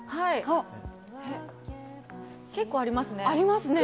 結構ありますね。